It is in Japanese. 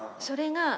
それが。